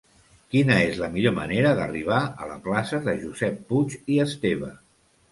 Quina és la millor manera d'arribar a la plaça de Josep Puig i Esteve?